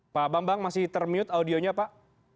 pak bambang masih termute audionya pak